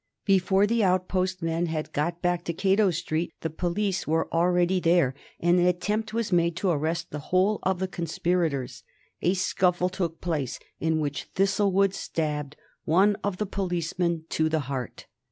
Before the outpost men had got back to Cato Street the police were already there, and an attempt was made to arrest the whole of the conspirators. A scuffle took place, in which Thistlewood stabbed one of the policemen to the heart.